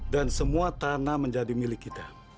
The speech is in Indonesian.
dan semua tanah menjadi milik kita